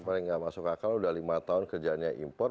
paling tidak masuk akal sudah lima tahun kerjaannya impor